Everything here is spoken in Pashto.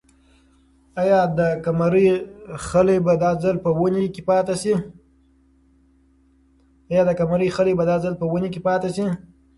آیا د قمرۍ خلی به دا ځل په ونې کې پاتې شي؟